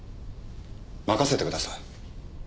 任せてください。